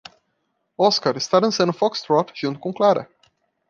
Oscar está dançando foxtrot junto com Clara.